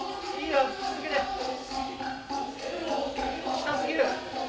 下過ぎる。